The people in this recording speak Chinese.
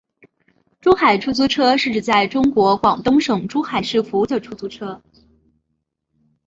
珠海出租车是指在中国广东省珠海市服务的出租车。